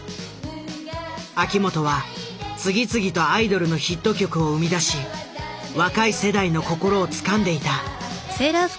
秋元は次々とアイドルのヒット曲を生み出し若い世代の心をつかんでいた。